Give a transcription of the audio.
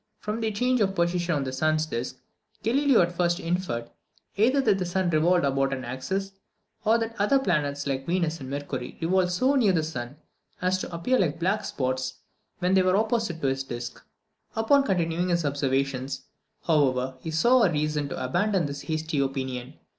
From their change of position on the sun's disc, Galileo at first inferred, either that the sun revolved about an axis, or that other planets, like Venus and Mercury, revolved so near the sun as to appear like black spots when they were opposite to his disc. Upon continuing his observations, however, he saw reason to abandon this hasty opinion.